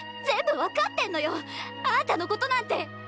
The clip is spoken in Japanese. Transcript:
全部分かってんのよあんたのことなんて！